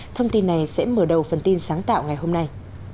thông tin này sẽ mở đầu phần tin sáng tạo ngày hôm nay